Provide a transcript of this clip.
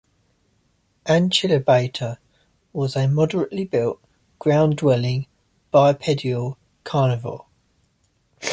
"Achillobator" was a moderately-built, ground-dwelling, bipedal carnivore.